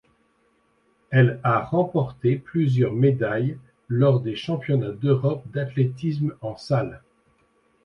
Elle a remporté plusieurs médailles lors des championnats d'Europe d'athlétisme en salle.